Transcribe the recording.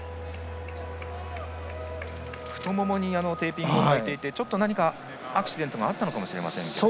太ももにテーピングを巻いていてちょっと何か、アクシデントがあったのかもしれません。